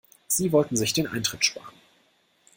Sie wollten sich den Eintritt sparen.